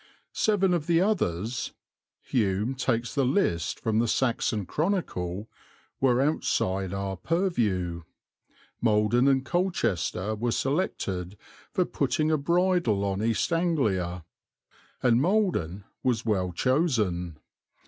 Seven of the others Hume takes the list from the Saxon Chronicle were outside our purview; Maldon and Colchester were selected for putting a bridle on East Anglia. And Maldon was well chosen.